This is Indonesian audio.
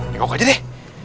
nengok aja deh